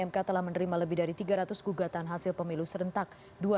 mk telah menerima lebih dari tiga ratus gugatan hasil pemilu serentak dua ribu sembilan belas